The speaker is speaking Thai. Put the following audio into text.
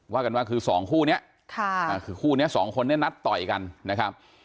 ว่ากันว่าคือสองคู่นี้คือคู่นี้สองคนนี้นัดต่อยกันนะครับ